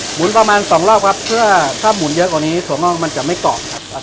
หุนประมาณสองรอบครับเพื่อถ้าหมุนเยอะกว่านี้ถั่วงอกมันจะไม่กรอบครับ